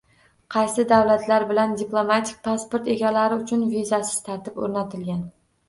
Qaysi davlatlar bilan diplomatik pasport egalari uchun vizasiz tartib o‘rnatilgan?